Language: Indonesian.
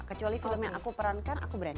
kecuali film yang aku perankan aku berani